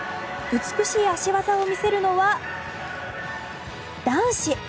美しい脚技を見せるのは男子。